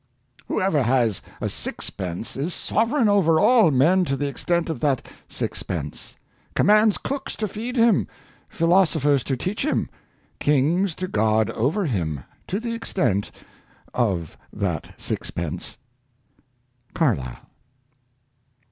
" Whoever has a sixpence is sovereign over all men to the extent of that six pence, commands cooks to feed him, philosophers to teach him, kings to guard over him — to the extent of that sixpence." — Carlyle.